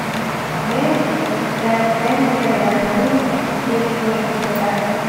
De hecho, la licencia de La Provincia sigue sin explotarse.